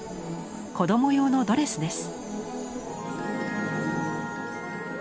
子供用のドレスです。